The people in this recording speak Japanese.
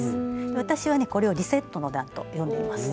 私はねこれを「リセットの段」と呼んでいます。